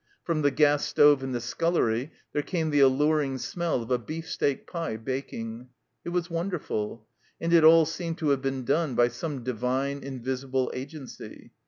Prom the gas stove in the scullery there came the alluring smell of a beef steak pie baking. It was wonderful. And it all seemed to have been done by some divine, invisible agency.